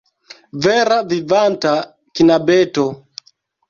Vera vivanta knabeto!